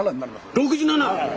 ６７！